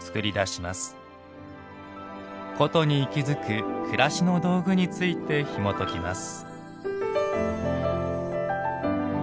「古都に息づく暮らしの道具」についてひもときます。